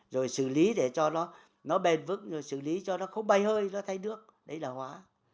rồi xử lý để cho nó bền vững rồi xử lý cho nó không bay hơi nó thay nước đấy là hóa